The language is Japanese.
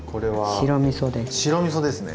白みそですね。